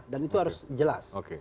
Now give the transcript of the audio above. dan itu harus jelas